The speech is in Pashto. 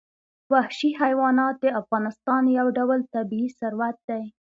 وحشي حیوانات د افغانستان یو ډول طبعي ثروت دی.